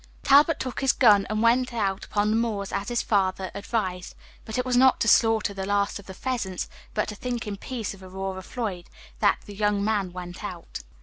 Talbot took his gun, and went out upon the moors, as his father advised; but it was not to slaughter the last of the pheasants, but to think in peace of Aurora Floyd, that the young man went out.